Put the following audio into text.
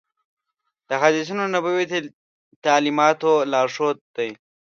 حدیثونه د نبوي تعلیماتو لارښود دي.